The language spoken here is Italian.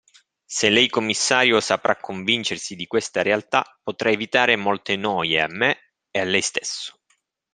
Se lei commissario, saprà convincersi di questa realtà, potrà evitare molte noie a me e a lei stesso.